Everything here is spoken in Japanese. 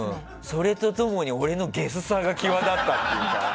それと共に俺のゲスさが際立ってさ。